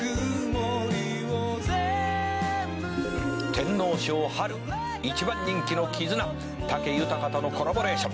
「天皇賞１番人気のキズナ」「武豊とのコラボレーション」